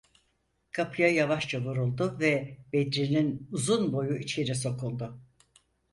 Kapıya yavaşça vuruldu ve Bedri’nin uzun boyu içeri sokuldu.